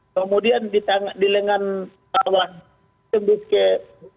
kemudian di lengan bawah tembus ke